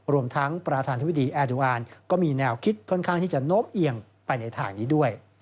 รวมทั้งประธานธิบดีแอร์ดูอานก็มีแนวคิดค่อนข้างที่จะโน้มเอียงไปในทางนี้ด้วย